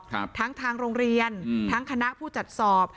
ทั้งทางโรงเรียนอืมทั้งคณะผู้จัดสอบ